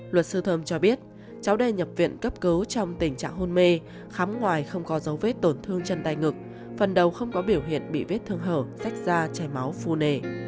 luật sư thơm cho biết cháu đây nhập viện cấp cứu trong tình trạng hôn mê khám ngoài không có dấu vết tổn thương chân tay ngực phần đầu không có biểu hiện bị vết thương hở rách da chảy máu phu nề